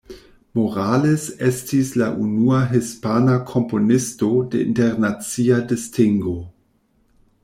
Morales estis la unua hispana komponisto de internacia distingo.